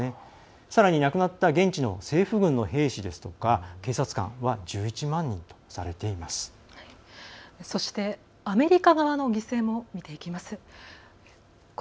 さらに亡くなった現地の政府軍の兵士ですとかアメリカ側の犠牲も見ていきます。